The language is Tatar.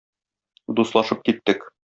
Дуслашып киттек.